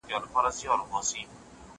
د پيشو په مخكي زوره ور نه پردى سي